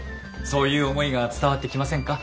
そういう思いが伝わってきませんか？